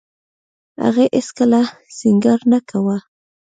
هغې هېڅ کله سينګار نه کاوه.